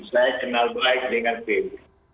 saya kenal baik dengan pb